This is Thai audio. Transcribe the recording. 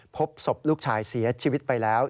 พบศพลูกชายเสียชีวิตไปแล้ว